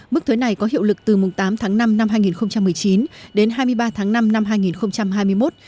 mức thuế này có hiệu lực từ mùng tám tháng năm năm hai nghìn một mươi chín đến hai mươi ba tháng năm năm hai nghìn hai mươi một